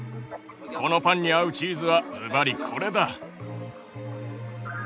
このパンに合うチーズはずばりコレだ。